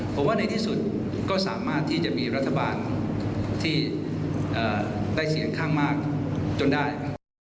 ผมว่าในที่สุดก็สามารถที่จะมีรัฐบาลที่ได้เสียงข้างมากจนได้ครับ